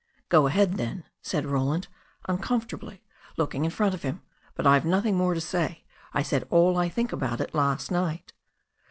"Go ahead, then," said Roland uncomfortably, looking in front of him. "But I've nothing more to say. I said all I think about it last night."